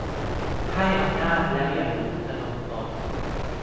ให้อำนาจ แล้วอย่าหลง ทนงตน